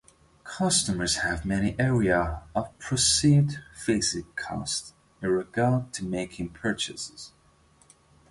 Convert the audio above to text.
Customers have many areas of perceived psychic costs in regards to making purchases.